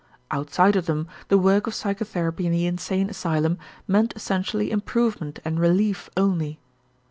Outside of them the work of psychotherapy in the insane asylum meant essentially improvement and relief only.